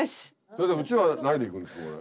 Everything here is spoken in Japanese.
先生うちらは何でいくんですかこれ。